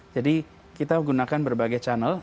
jadi kita menggunakan berbagai channel